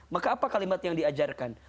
maka apa kalimat yang diajarkan